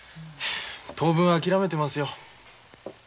当分諦めてますよ。